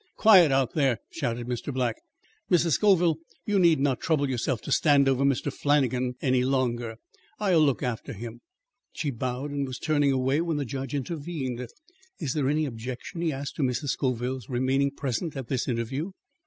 "Quiet out there!" shouted Mr. Black. "Mrs. Scoville, you need not trouble yourself to stand over Mr. Flannagan any longer. I'll look after him." She bowed and was turning away when the judge intervened. "Is there any objection," he asked, "to Mrs. Scoville's remaining present at this interview?"